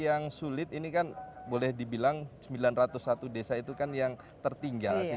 yang sulit ini kan boleh dibilang sembilan ratus satu desa itu kan yang tertinggal sih